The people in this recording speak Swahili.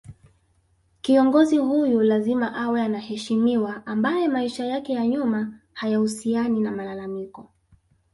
Kiongozi huyu ni lazima awe anaheshimiwa ambaye maisha yake ya nyuma hayahusiani na malalamiko